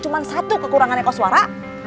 cuman satu kekurangannya koswara